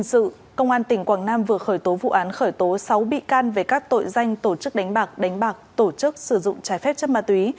hình sự công an tỉnh quảng nam vừa khởi tố vụ án khởi tố sáu bị can về các tội danh tổ chức đánh bạc đánh bạc tổ chức sử dụng trái phép chất ma túy